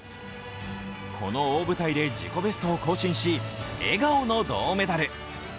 この大舞台で自己ベストを更新し笑顔の銅メダル。